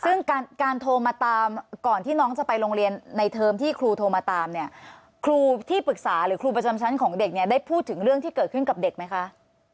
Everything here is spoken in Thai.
ซึ่งการโทรมาตามก่อนที่น้องจะไปโรงเรียนในเทอมที่ครูโทรมาตามเนี่ยครูที่ปรึกษาหรือครูประจำชั้นของเด็กเนี่ยได้พูดถึงเรื่องที่เกิดขึ้นกับเด็กไหมคะ